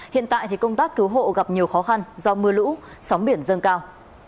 hiện tại thì công tác cứu hộ gặp nhiều khó khăn do mưa lũ sóng biển dâng cao